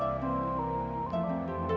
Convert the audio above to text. ya ma aku ngerti